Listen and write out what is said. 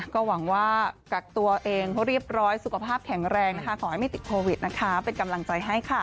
ก็หวังว่ากักตัวเองเขาเรียบร้อยสุขภาพแข็งแรงนะคะขอให้ไม่ติดโควิดนะคะเป็นกำลังใจให้ค่ะ